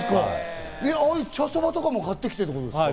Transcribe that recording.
茶そばとかも買ってきてるんですか？